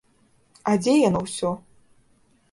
А дзе яно ўсё?